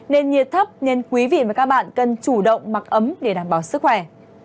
nên nhiệt thấp nên quý vị và các bạn cần chủ động mặc ấm để đảm bảo sức khỏe